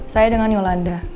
saya dengan yolanda